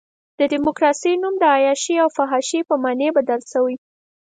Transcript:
د ډیموکراسۍ نوم د عیاشۍ او فحاشۍ په معنی بدل شوی.